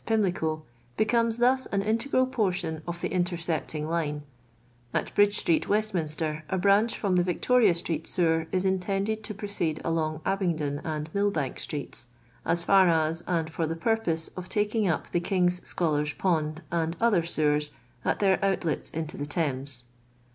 Piin lico, becomes thus an integral portion of the in tercepting line ; at Bridge street, Westminster, a branch from the Victoria street sewer is intended to proceed along Abingdon and Millbank streets, as far as and for the purpose of taking up the King's Scholars* Pond and other sewers at tlieir outlets into the Thames.